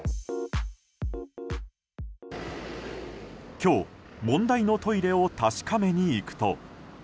今日、問題のトイレを確かめに行くと。